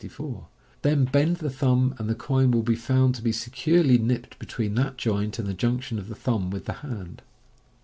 64) ; then bend ihe thumb, and the coin will be found to be securely nipped between that joint and the junction of the thumb with the hand.